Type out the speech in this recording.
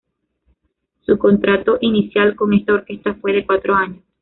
Su contrato inicial con esta orquesta fue de cuatro años.